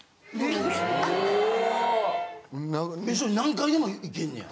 ・おお・何回でもいけんねや。